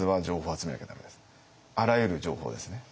あらゆる情報ですね。